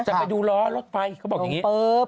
จะไปดูล้อรถไฟเขาบอกอย่างนี้